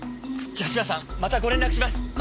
じゃ島さんまたご連絡します。